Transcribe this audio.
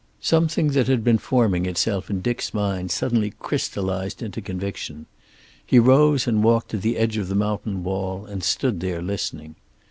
Something that had been forming itself in Dick's mind suddenly crystallized into conviction. He rose and walked to the edge of the mountain wall and stood there listening.